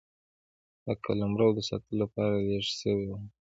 د قلمرو د ساتلو لپاره لېږل سوي وه.